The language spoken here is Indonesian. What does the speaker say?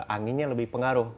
anginnya lebih pengaruh